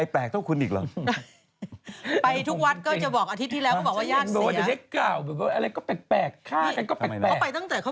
ภายในกุฏินี่มีคนเดียวก็เปรียบแปลก